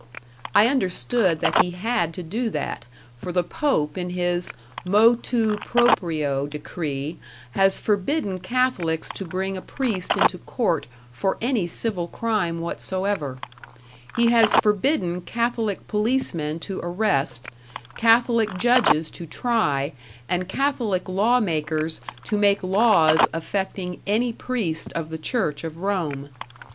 I understood that he had to do that; for the Pope, in his "Motu Proprio" decree, has forbidden Catholics to bring a priest into court for any civil crime whatsoever; he has forbidden Catholic policemen to arrest, Catholic judges to try, and Catholic law makers to make laws affecting any priest of the Church of Rome.